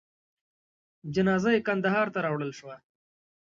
جنازه یې کندهار ته راوړل شوه.